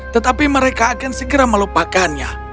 tetapi mereka akan segera melupakannya